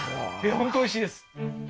本当おいしいです